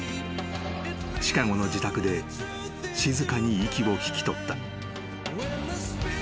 ［シカゴの自宅で静かに息を引き取った］